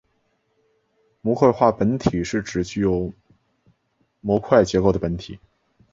模块化本体是指具有模块结构的本体。